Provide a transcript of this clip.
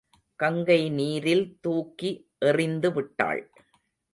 கங்கை நீரில் தூக்கி எறிந்துவிட்டாள்.